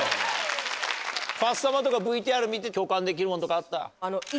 ファッサマとかＶＴＲ見て共感できるものとかあった？